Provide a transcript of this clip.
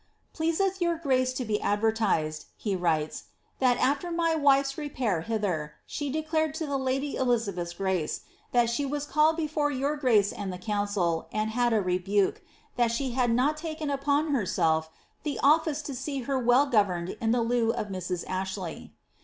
^ Pleaseth your grace to be advertised,'' he writes, ^ that after my wife's repair hither, she declared to the lady Elizabeth's grace, that she was called before your grace and the council, and had a rebuke, that she had not taken upon her the office to see her well governed in the lieu of Mrs. Ashley."'